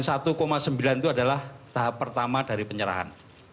dan satu sembilan itu adalah tahap pertama dari penyerahan